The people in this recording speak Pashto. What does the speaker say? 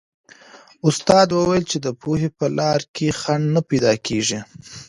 استاد وویل چې د پوهې په لار کې خنډ نه پیدا کېږي.